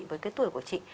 với cái tuổi của chị